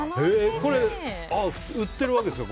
これ売ってるわけですか？